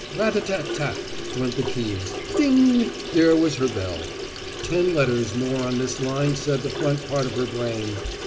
Rat tat tat tat went the keys; ding, there was her bell. Ten letters more on this line said the front part of her brain.